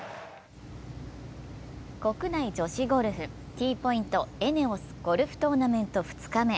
国内女子ゴルフ、Ｔポイント×ＥＮＥＯＳゴルフトーナメント２日目。